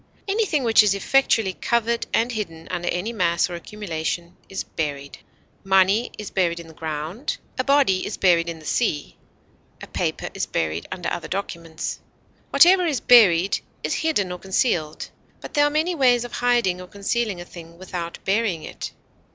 Anything which is effectually covered and hidden under any mass or accumulation is buried. Money is buried in the ground; a body is buried in the sea; a paper is buried under other documents. Whatever is buried is hidden or concealed; but there are many ways of hiding or concealing a thing without burying it.